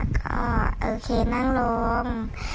ค่ะโอเคนั่งโล่ง